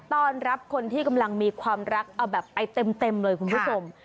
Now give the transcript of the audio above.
ต้อนรับคนที่กำลังมีความรักเอาแบบไปเต็มเลยคุณผู้ชม